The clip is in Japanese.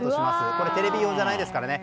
これテレビ用じゃないですからね。